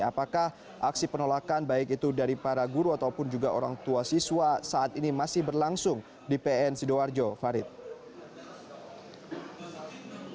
apakah aksi penolakan baik itu dari para guru ataupun juga orang tua siswa saat ini masih berlangsung di pn sidoarjo farid